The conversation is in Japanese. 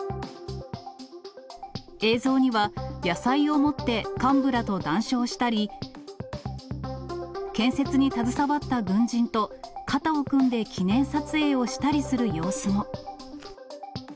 映像には、野菜を持って幹部らと談笑したり、建設に携わった軍人と肩を組んで記念撮影をしたりする様子も。